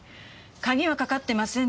鍵はかかってませんでした。